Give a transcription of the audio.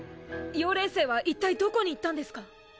妖霊星は一体どこに行ったんですか？